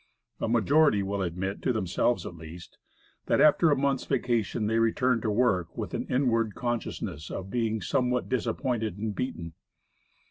A majority will admit to them selves at least that after a month's vacation, they return to work with an inward consciousness of being somewhat disappointed and beaten.